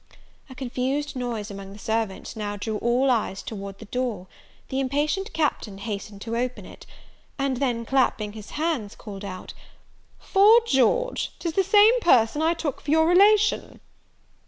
A confused noise among the servants now drew all eyes towards the door: the impatient Captain hastened to open it; and then, clapping his hands, called out, "'Fore George, 'tis the same person I took for your relation!"